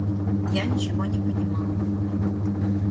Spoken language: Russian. Я ничего не понимаю.